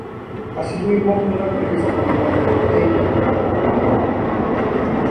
Así mismo Una entrevista con la muerte, Ella, Tito Tambor.